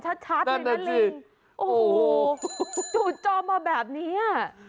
เอาไปเรื่อย